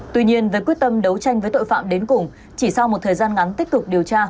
tuy nhiên với quyết tâm đấu tranh với tội phạm đến cùng chỉ sau một thời gian ngắn tích cực điều tra